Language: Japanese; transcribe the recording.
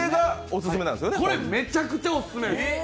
これめちゃくちゃオススメです。